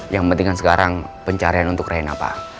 yang penting sekarang pencarian untuk rena pak